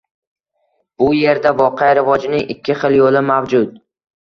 Bu yerda voqea rivojining ikki xil yo‘li mavjud.